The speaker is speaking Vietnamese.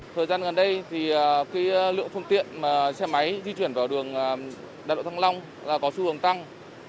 thời gian gần đây thì lượng phương tiện xe máy di chuyển vào đường đại lộ thăng long là có xu hướng tăng